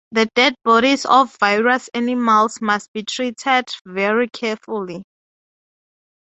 The dead bodies of various animals must be treated very carefully.